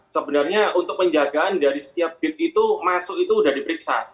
sebenarnya untuk penjagaan dari setiap bit itu masuk itu sudah diperiksa